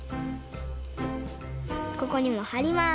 ここにもはります。